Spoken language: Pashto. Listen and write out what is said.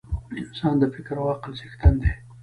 انسان د فکر او عقل څښتن دی.